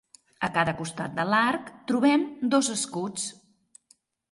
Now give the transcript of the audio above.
A cada costat de l'arc trobem dos escuts.